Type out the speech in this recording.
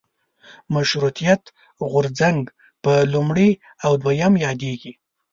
مشروطیت غورځنګ په لومړي او دویم یادېږي.